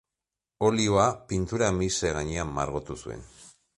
Olioa pintura mihise gainean margotu zuen.